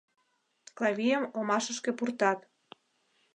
Клавийым омашышке пуртат.